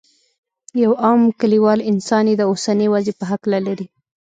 یو عام کلیوال انسان یې د اوسنۍ وضعې په هکله لري.